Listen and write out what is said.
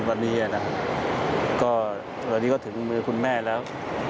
วันนี้น่ะวันนี้ก็ถึงมือคุณแม่แล้ว